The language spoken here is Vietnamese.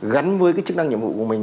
gắn với cái chức năng nhiệm vụ của mình